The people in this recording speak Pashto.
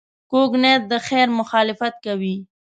کوږ نیت د خیر مخالفت کوي